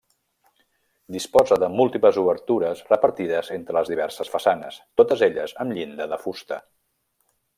Disposa de múltiples obertures repartides entre les diverses façanes, totes elles amb llinda de fusta.